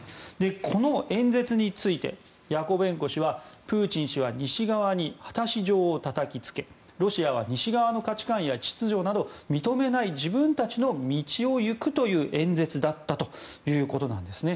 この演説についてヤコベンコ氏はプーチン氏は西側に果たし状をたたきつけロシアは西側の価値観や秩序などを認めない自分たちの道を行くという演説だったということなんです。